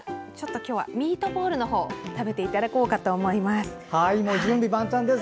今日はミートボールのほうを食べていただこうと思います。